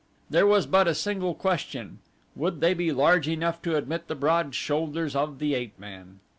There was but a single question: would they be large enough to admit the broad shoulders of the ape man.